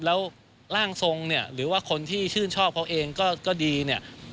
แล้วร่างทรงเนี่ยหรือว่าคนที่ชื่นชอบเขาเองก็ดีเนี่ย